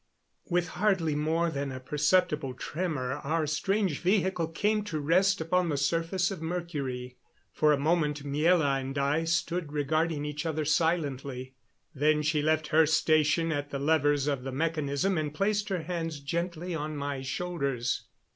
_ With hardly more than a perceptible tremor our strange vehicle came to rest upon the surface of Mercury. For a moment Miela and I stood regarding each other silently. Then she left her station at the levers of the mechanism and placed her hands gently on my shoulders.